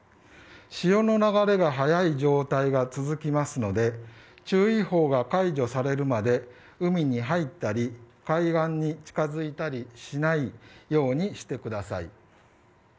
潮の流れが速い状態が続きますので注意報が解除されるまで海に入ったり、海岸に近付いたりしないようにしてください。